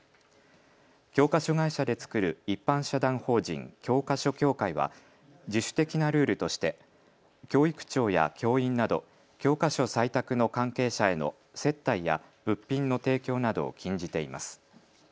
教科書会社で作る一般社団法人教科書協会は自主的なルールとして教育長や教員など教科書採択の関係者への接待や物品の提供などを禁じています。